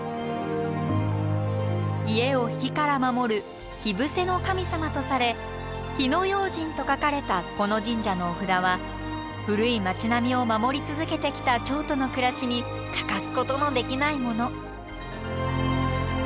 家を火から守る「火伏せの神様」とされ「火要慎」と書かれたこの神社のお札は古い町並みを守り続けてきた京都の暮らしに欠かすことのできないもの。